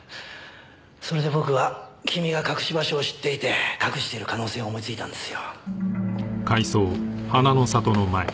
それで僕は君が隠し場所を知っていて隠している可能性を思いついたんですよ。